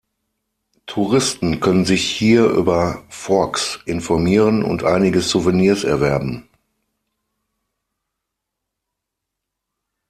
Touristen können sich hier über Forks informieren und einige Souvenirs erwerben.